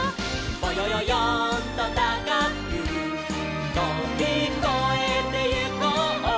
「ぼよよよんとたかくとびこえてゆこう」